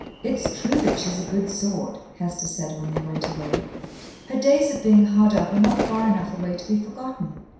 "It's true that she's a good sort," Hester said when they went away. "Her days of being hard up are not far enough away to be forgotten.